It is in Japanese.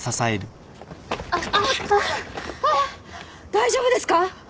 大丈夫ですか！？